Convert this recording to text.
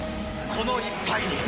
この一杯に！